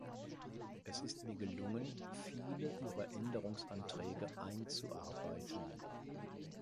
Es ist mir gelungen, viele ihrer Änderungsanträge einzuarbeiten.